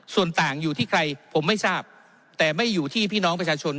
ส่วนต่างอยู่ที่ใครผมไม่ทราบแต่ไม่อยู่ที่พี่น้องประชาชน